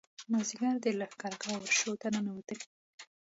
مازیګر د لښکرګاه ورشو ته ننوتلو.